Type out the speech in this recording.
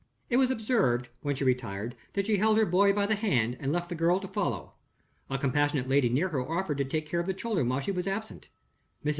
It was observed, when she retired, that she held her boy by the hand, and left the girl to follow. A compassionate lady near her offered to take care of the children while she was absent. Mrs.